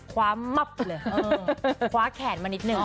ข้าขแขนมานิดนึง